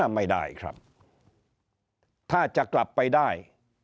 ไม่ได้ครับถ้าจะกลับไปได้